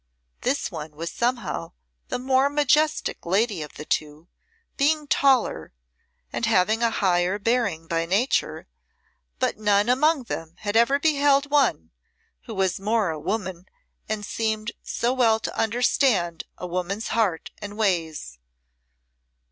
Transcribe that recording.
This one was somehow the more majestic lady of the two, being taller and having a higher bearing by Nature, but none among them had ever beheld one who was more a woman and seemed so well to understand a woman's heart and ways.